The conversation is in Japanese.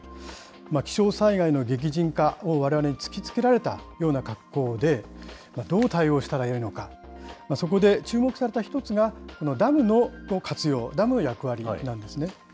気象災害の激甚化をわれわれに突きつけられたような格好で、どう対応したらよいのか、そこで、注目された一つが、このダムの活用、ダムの役割なんですね。